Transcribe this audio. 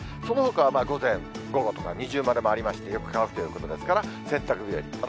そのほかは午前、午後とか、二重丸もありまして、よく乾くということですから、洗濯日和。